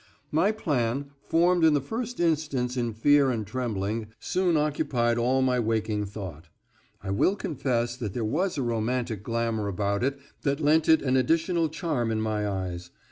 "My plan, formed in the first instance in fear and trembling, soon occupied all my waking thought. I will confess that there was a romantic glamour about it that lent it an additional charm in my eyes.